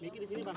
bikin di sini pak